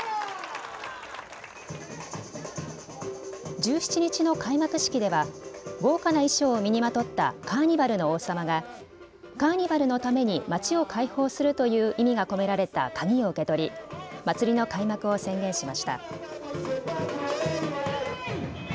１７日の開幕式では豪華な衣装を身にまとったカーニバルの王様がカーニバルのために街を開放するという意味が込められた鍵を受け取り祭りの開幕を宣言しました。